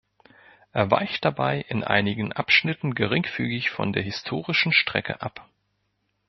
Er weicht dabei in einigen Abschnitten geringfügig von der historischen Strecke ab.